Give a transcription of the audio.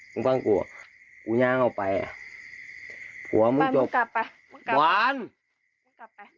มึงฟังกูกูยางออกไปหัวมึงจบไปมึงกลับไปบอลมึงกลับไป